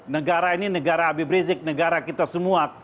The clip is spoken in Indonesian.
negara ini negara habib rizik negara kita semua